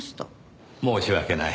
申し訳ない。